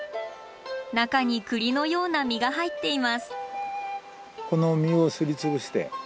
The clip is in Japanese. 中に栗のような実が入っています。